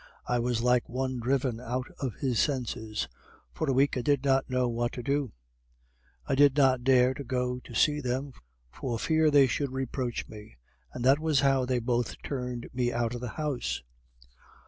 I was like one driven out of his senses. For a week I did not know what to do; I did not dare to go to see them for fear they should reproach me. And that was how they both turned me out of the house.